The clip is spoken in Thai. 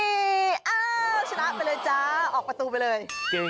อ้าวชนะไปเลยจ้าออกประตูไปเลย